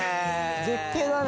絶景だね